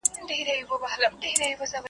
نه په سرمنزل نه رباتونو پوهېدلی یم .